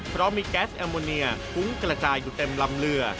เพราะมีแก๊สแอมโมเนียฟุ้งกระจายอยู่เต็มลำเรือ